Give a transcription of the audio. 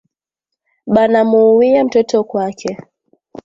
Bana muuwiya mtoto kwake